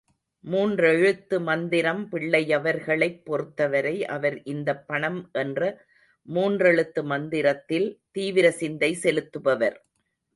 மூன்றெழுத்து மந்திரம் பிள்ளையவர்களைப் பொறுத்தவரை, அவர் இந்தப் பணம் என்ற மூன்றெழுத்து மந்திரத்தில் தீவிர சிந்தை செலுத்துபவர்.